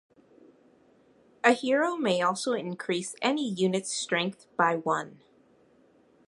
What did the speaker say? A hero may also increase any unit's strength by one.